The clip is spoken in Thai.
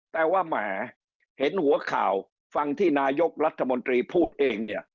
แต่ว่าแหมเห็นหัวข่าวฟังที่นายกรัฐมนตรีพูดเองเนี่ย